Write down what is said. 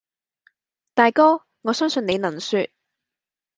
大哥，我相信你能説，